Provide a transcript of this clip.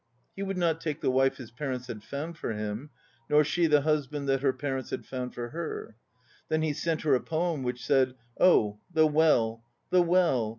He would not take the wife his parents had found for him, nor she the husband that her parents had found for her. Then he sent her a poem which said: "Oh, the well, the well!